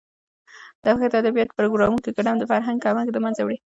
د پښتو ادبیاتو په پروګرامونو کې ګډون، د فرهنګ کمښت د منځه وړي.